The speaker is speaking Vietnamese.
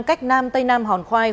cách nam tây nam hòn khoai